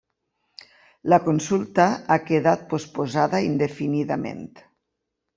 La consulta ha quedat posposada indefinidament.